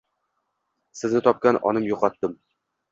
Sizni topgan onim yoʻqotdim.